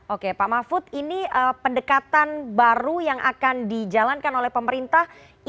oke pak mahfud ini pendekatan baru yang akan dijalankan oleh pemerintah